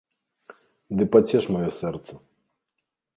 Ды пацеш маё сэрца.